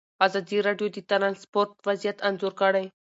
ازادي راډیو د ترانسپورټ وضعیت انځور کړی.